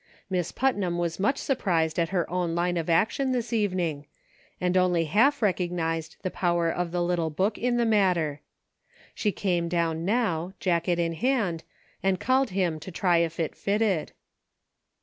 Miss Pu'c 78 UNSEEN CONNECTIONS. nam was much suprised at her own line of action this evening, and only half recognized the power of the little book in the matter. She came down now, jacket in hand, and called him to try if it fitted.